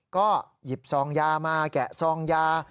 ก็หยิบซองยามาแกะซองยา